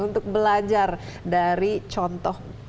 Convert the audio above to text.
untuk belajar dari contoh